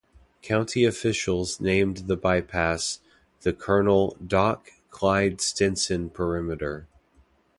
County officials named the bypass the "Colonel 'Doc' Clyde Stinson Perimeter".